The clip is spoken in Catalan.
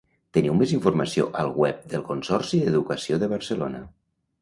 Teniu més informació al web del Consorci d'Educació de Barcelona.